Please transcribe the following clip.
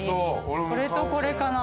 これとこれかな。